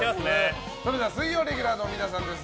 それでは水曜レギュラーの皆さんです。